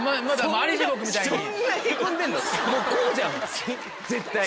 もうこうじゃん絶対。